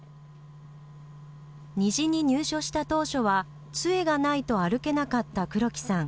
にじに入所した当初はつえがないと歩けなかった黒木さん。